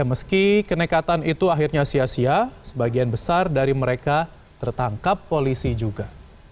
meski kenekatan itu akhirnya sia sia sebagian besar dari mereka tertangkap polisi juga